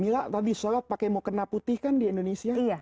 kalau mau kekenah putih kan di indonesia